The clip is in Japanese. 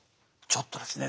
ちょっとですね